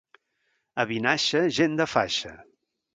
A Vinaixa, gent de faixa.